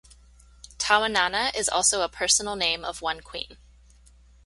Tawananna is also a personal name of one queen.